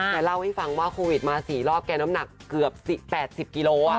เล่าให้ฟังว่าโควิดมา๔รอบแกน้ำหนักเกือบ๘๐กิโล